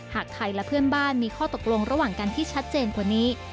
หากไทยและเพื่อนบ้านมีข้อตกลงระหว่างกันที่ชัดเจนกว่านี้